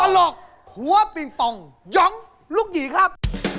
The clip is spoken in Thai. ตลกหัวปริงต่องย้องลูกหยี่ครับ